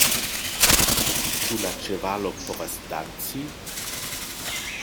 Ĉu la ĉevalo povas danci!?